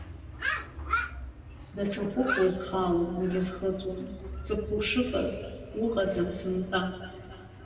Даҽа хәык узхалом, уагьызхыҵуам, ҵыԥх ушыҟаз уҟаӡам сынтәа.